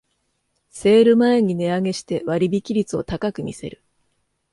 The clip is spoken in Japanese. セール前に値上げして割引率を高く見せる